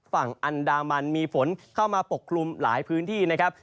ฝั่งอันดามันมีฝนเข้ามาปกคลุมหลายพื้นที่นะครับ